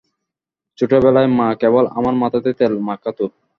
ছোটবেলায়, মা কেবল আমার মাথাতেই তেল মাখাতো।